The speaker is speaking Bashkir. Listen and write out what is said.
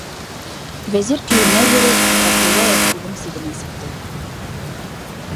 Вәзир көйөнә йөрөп, Ғабдулла ялҡыуҙың сигенә сыҡты.